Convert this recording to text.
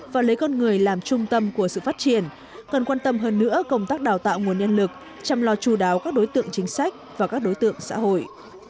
và lấy con người làm trung tâm của sự phát triển cần quan tâm hơn nữa công tác đào tạo nguồn nhân lực chăm lo chú đáo các đối tượng chính sách và các đối tượng xã hội